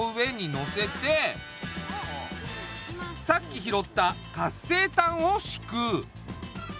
さっき拾った活性炭をしく。